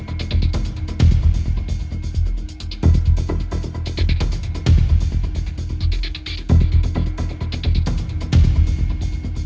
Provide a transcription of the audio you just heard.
มีกอละนุ่นกันใช่มั้ยครับ